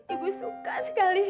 ibu suka sekali